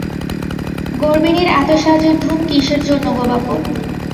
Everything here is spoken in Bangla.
গর্বিণীর এত সাজের ধুম কিসের জন্য গো বাপু।